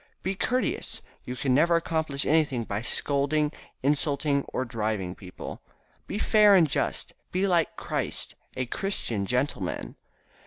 "Be courteous, you can never accomplish anything by scolding, insulting or driving people. Be fair and just. Be like Christ, a Christian gentleman."